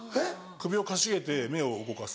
首をかしげて目を動かす。